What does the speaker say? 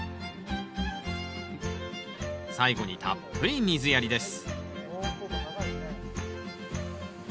最後にたっぷり水やりです